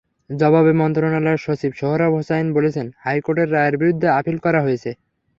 জবাবে মন্ত্রণালয়ের সচিব সোহরাব হোসাইন বলেছেন, হাইকোর্টের রায়ের বিরুদ্ধে আপিল করা হয়েছে।